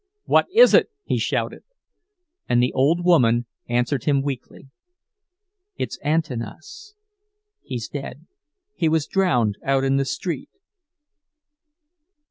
"What is it?" he shouted. And the old woman answered him weakly: "It's Antanas. He's dead. He was drowned out in the street!"